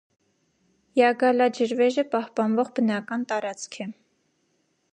Յագալա ջրվեժը պահպանվող բնական տարածք է։